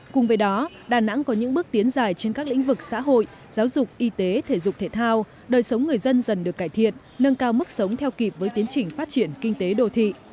cùng với đó đà nẵng có những bước tiến dài trên các lĩnh vực xã hội giáo dục y tế thể dục thể thao đời sống người dân dần được cải thiện nâng cao mức sống theo kịp với tiến trình phát triển kinh tế đô thị